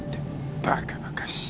バカバカしい。